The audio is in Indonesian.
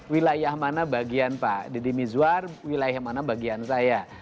wilayah mana bagian pak deddy mizwar wilayah mana bagian saya